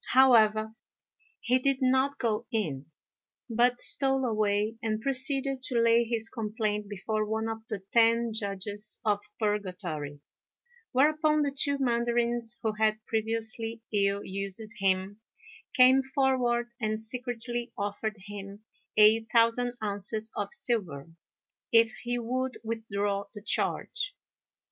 However, he did not go in, but stole away and proceeded to lay his complaint before one of the ten Judges of Purgatory; whereupon the two mandarins who had previously ill used him, came forward and secretly offered him a thousand ounces of silver if he would withdraw the charge.